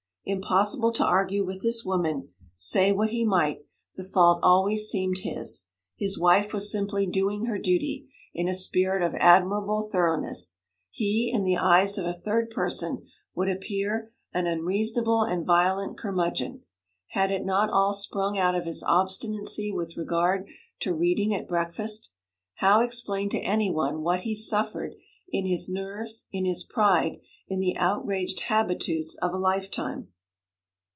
Impossible to argue with this woman. Say what he might, the fault always seemed his. His wife was simply doing her duty in a spirit of admirable thoroughness; he, in the eyes of a third person, would appear an unreasonable and violent curmudgeon. Had it not all sprung out of his obstinacy with regard to reading at breakfast? How explain to anyone what he suffered in his nerves, in his pride, in the outraged habitudes of a lifetime?